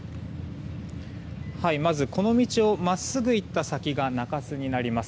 この道を真っすぐ行った先が中洲になります。